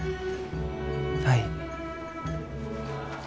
はい。